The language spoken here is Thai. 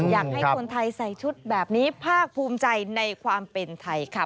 อยากให้คนไทยใส่ชุดแบบนี้ภาคภูมิใจในความเป็นไทยค่ะ